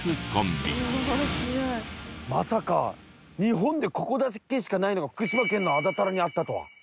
まさか日本でここだけしかないのが福島県の安達太良にあったとは。